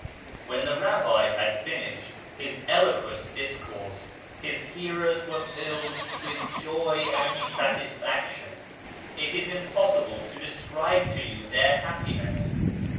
When the Rabbi had finished his eloquent discourse, his hearers were filled with joy and satisfaction. It is impossible to describe to you their happiness